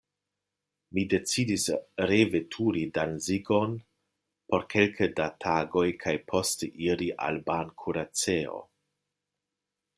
Mi decidis reveturi Danzigon por kelke da tagoj kaj poste iri al bankuracejo.